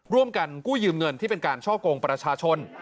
ร่วมกันกู้ยืมเงินที่เป็นการช่อกงประชาชน